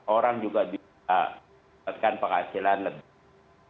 orang juga bisa mendapatkan penghasilan lebih